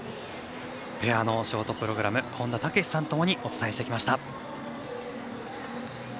ペアのショートプログラム本田武史さんとともにお伝えしてきました。